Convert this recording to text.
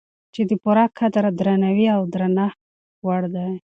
چې د پوره قدر، درناوي او درنښت وړ دی